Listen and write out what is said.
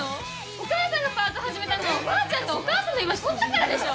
お母さんがパート始めたのはおばあちゃんがお母さんの居場所とったからでしょ！